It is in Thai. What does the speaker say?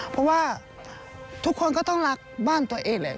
เพราะว่าทุกคนก็ต้องรักบ้านตัวเองแหละ